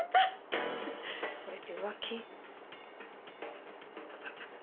これって浮気？